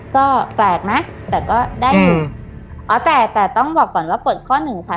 ก็แปลกนะแต่ก็ได้อยู่อ๋อแต่แต่ต้องบอกก่อนว่าเปิดข้อหนึ่งค่ะ